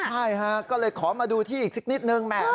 ใช่ฮะก็เลยขอมาดูที่อีกสักนิดนึงแหม